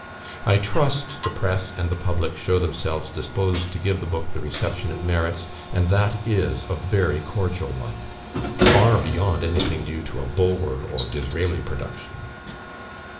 I trust, the press and the public show themselves disposed to give the book the reception it merits, and that is a very cordial one, far beyond anything due to a Bulwer or D'Israeli production."